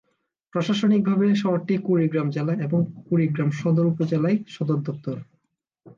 প্রশাসনিকভাবে শহরটি কুড়িগ্রাম জেলা এবং কুড়িগ্রাম সদর উপজেলার সদর দপ্তর।